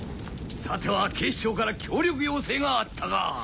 さては警視庁から協力要請があったか！